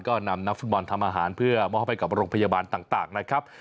ก็นำนักฟุตบอลทำอาหารเพื่อมอบให้กับโรงพยาบาลต่างนะครับ